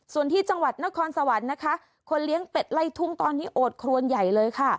ส่วนที่จังหวัดนครสวรรค์นะคะคนเลี้ยงเป็ดไล่ทุ่งตอนนี้โอดครวนใหญ่เลยค่ะ